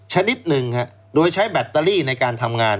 ชนิดหนึ่งโดยใช้แบตเตอรี่ในการทำงาน